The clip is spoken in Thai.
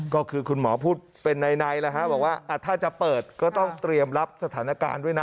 ก็คือคุณหมอพูดเป็นในแล้วฮะบอกว่าถ้าจะเปิดก็ต้องเตรียมรับสถานการณ์ด้วยนะ